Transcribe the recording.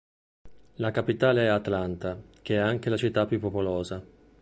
La capitale è Atlanta, che è anche la città più popolosa.